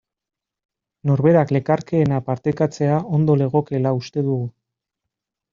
Norberak lekarkeena partekatzea ondo legokeela uste dugu.